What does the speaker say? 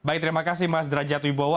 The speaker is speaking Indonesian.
baik terima kasih mas derajat wibowo